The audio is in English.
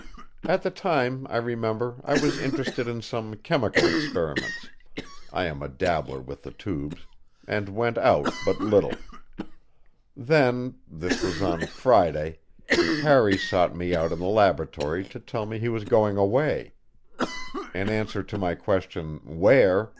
At the time, I remember, I was interested in some chemical experiments I am a dabbler with the tubes and went out but little. Then this was on Friday Harry sought me out in the laboratory to tell me he was going away. In answer to my question, "Where?"